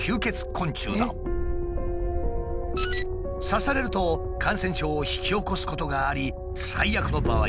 刺されると感染症を引き起こすことがあり最悪の場合